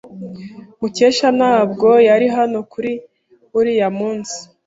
Mukesha ntabwo yari hano kuri uriya munsi.